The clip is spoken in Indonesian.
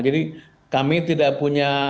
jadi kami tidak punya